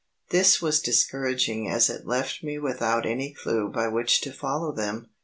This was discouraging as it left me without any clue by which to follow them.